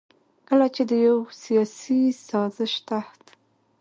کله چې د يو سياسي سازش تحت